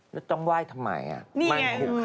และต้องไหว้ทำไมมันขลุกขะ